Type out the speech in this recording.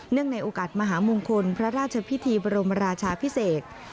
ในโอกาสมหามงคลพระราชพิธีบรมราชาพิเศษ